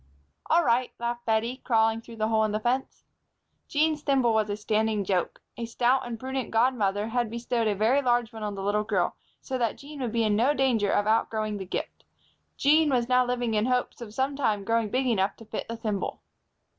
"All right," laughed Bettie, crawling through the hole in the fence. Jean's thimble was a standing joke. A stout and prudent godmother had bestowed a very large one on the little girl so that Jean would be in no danger of outgrowing the gift. Jean was now living in hopes of sometime growing big enough to fit the thimble.